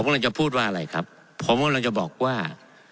กำลังจะพูดว่าอะไรครับผมกำลังจะบอกว่า